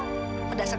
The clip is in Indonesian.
lo kan semua jahat